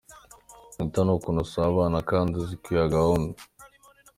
Ritha ni umuntu usabana kandi uzi kwiha gahunda.